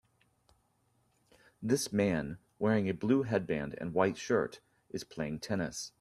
This man, wearing a blue headband and white shirt, is playing tennis.